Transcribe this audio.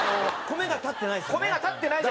米が立ってない。